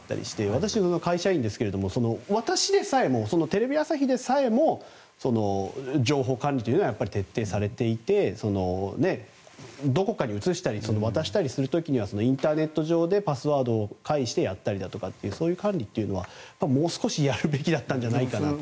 私、会社員ですが、私でさえもテレビ朝日でさえも情報管理というのは徹底されていてどこかに移したり渡したりする時にはインターネット上でパスワードを介してやったりそういう管理は、もう少しやるべきだったのではないかなと。